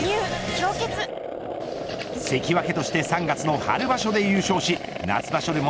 「氷結」関脇として３月の春場所で優勝し夏場所でも